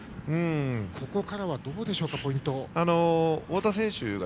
ここからはどうでしょうかポイントは。